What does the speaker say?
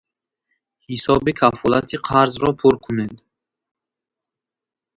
Ҳисоби кафолати қарзро пур кунед.